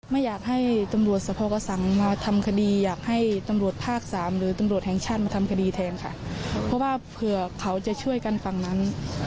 ไม่อยากให้ตำรวจสภกระสังมาทำคดีอยากให้ตำรวจภาคสามหรือตำรวจแห่งชาติมาทำคดีแทนค่ะเพราะว่าเผื่อเขาจะช่วยกันฝั่งนั้น